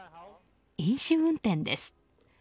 飲酒運転です。